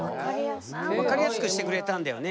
分かりやすくしてくれたんだよね